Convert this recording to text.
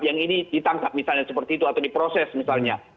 yang ini ditangkap misalnya seperti itu atau diproses misalnya